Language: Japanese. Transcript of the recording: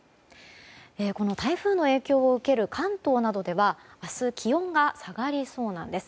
この台風の影響を受ける関東などでは明日気温が下がりそうなんです。